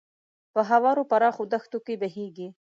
په هوارو پراخو دښتو کې بهیږي.